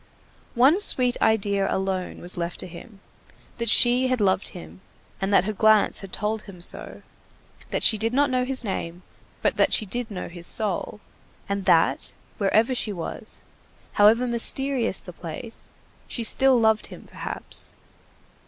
One sweet idea alone was left to him, that she had loved him, that her glance had told him so, that she did not know his name, but that she did know his soul, and that, wherever she was, however mysterious the place, she still loved him perhaps.